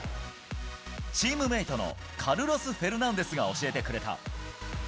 チームメートのカルロス・フェルナンデスが教えてくれた。